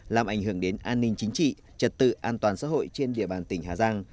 làm ảnh hưởng đến an ninh chính trị trật tự an toàn xã hội trên địa bàn tỉnh hà giang